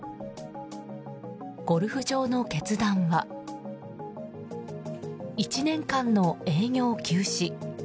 ゴルフ場の決断は１年間の営業休止。